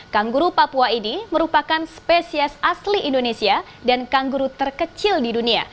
kangguru papua ini merupakan spesies asli indonesia dan kangguru terkecil di dunia